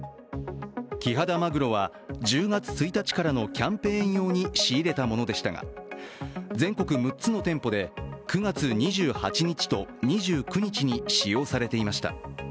キハダマグロは１０月１日からのキャンペーン用に仕入れたものでしたが、全国６つの店舗で９月２８日と、２９日に使用されていました。